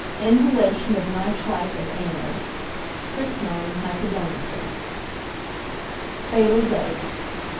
Inhalation of nitrite of amyl; strychnine hypodermically. _Fatal Dose.